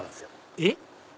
えっ？